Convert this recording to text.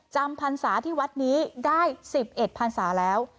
พรรษาที่วัดนี้ได้๑๑พันศาแล้ว